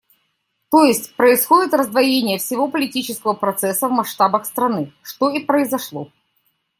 То есть происходит раздвоение всего политического процесса в масштабах страны, что и произошло.